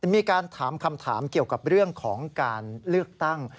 มีการถามคำถามเกี่ยวกับเรื่องของการเลือกตั้ง